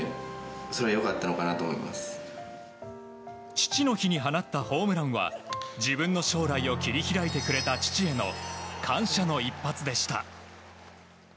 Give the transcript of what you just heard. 父の日に放ったホームランは自分の将来を切り開いてくれた父への感謝の一発でした。